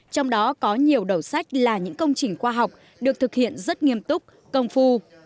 trong đó có nhiều đầu sách là những công trình khoa học được thực hiện rất nghiêm túc công phu